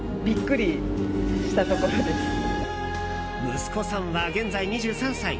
息子さんは現在２３歳。